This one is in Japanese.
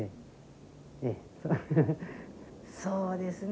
そうですね